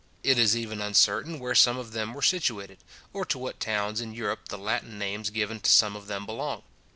It is even uncertain where some of them were situated, or to what towns in Europe the Latin names given to some of them belong.